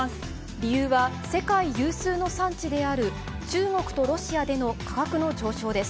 理由は世界有数の産地である、中国とロシアでの価格の上昇です。